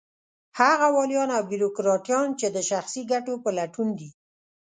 هغه واليان او بېروکراټان چې د شخصي ګټو په لټون دي.